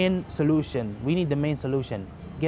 kita butuh penyelesaian utama